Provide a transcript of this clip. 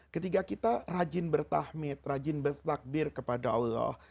ketika kita rajin bertahmid rajin bertakbir kepada allah